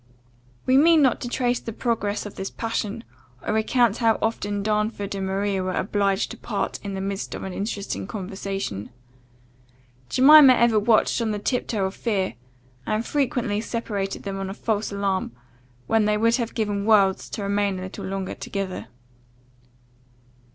We mean not to trace the progress of this passion, or recount how often Darnford and Maria were obliged to part in the midst of an interesting conversation. Jemima ever watched on the tip toe of fear, and frequently separated them on a false alarm, when they would have given worlds to remain a little longer together.